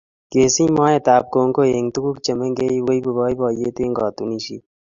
kesich mwaetab kongoi eng tuguuk che mengeech koibu boiboiyeet eng katunisiet